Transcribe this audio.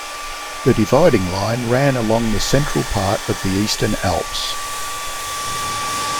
The dividing line ran along the central part of the eastern Alps.